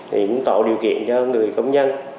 thì cũng tạo điều kiện cho người công dân